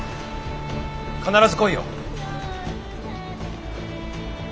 必ず来いよ。